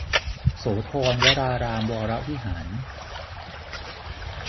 โสธรวรารามวรวิหาร